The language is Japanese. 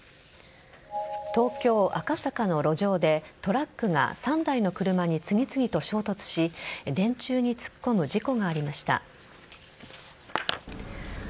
東京・赤坂の路上でトラックが３台の車に次々と衝突し電柱に突っ込む事故がありました。